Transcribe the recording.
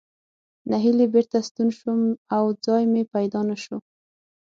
نهیلی بېرته ستون شوم او ځای مې پیدا نه شو.